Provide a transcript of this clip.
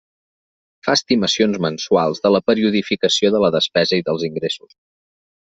Fa estimacions mensuals de la periodificació de la despesa i dels ingressos.